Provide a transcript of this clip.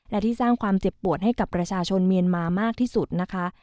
และที่สร้างความเจ็บปวดให้กับประชาชนเมียนมามากที่สุดนะคะ